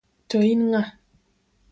To in ng'a?